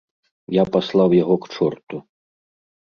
Я паслаў яго к чорту.